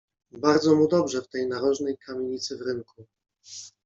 Bardzo mu dobrze w tej narożnej kamienicy w rynku.